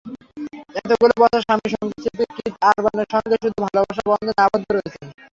এতগুলো বছর স্বামী, সংগীতশিল্পী কিথ আরবানের সঙ্গে শুধুই ভালোবাসার বন্ধনে আবদ্ধ রয়েছেন।